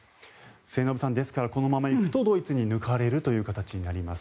末延さん、ですからこのままいくとドイツに抜かれるという形になります。